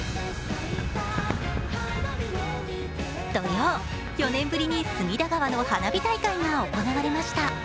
土曜、４年ぶりに隅田川の花火大会が行われました。